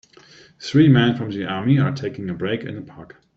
Three men from the army are taking a break in a park.